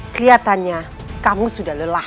kelihatannya kamu sudah lelah